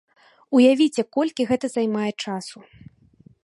Уявіце, колькі гэта займае часу.